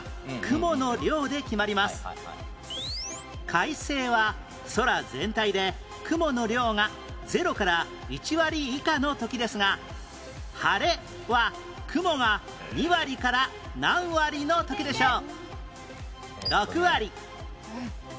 快晴は空全体で雲の量がゼロから１割以下の時ですが晴れは雲が２割から何割の時でしょう？